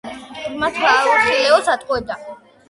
ბრმა, თვალხილულს ატყუებდ